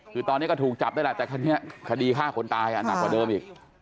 คือตอนนี้ก็ถูกจับได้แหละแต่คันนี้คดีฆ่าคนตายหนักกว่าเดิมอีก